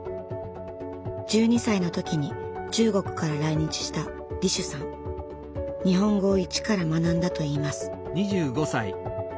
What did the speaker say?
１２歳の時に中国から来日した日本語を一から学んだといいます。